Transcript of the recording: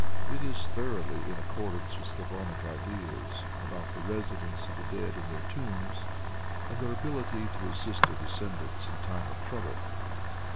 It is thoroughly in accordance with Slavonic ideas about the residence of the dead in their tombs, and their ability to assist their descendants in time of trouble.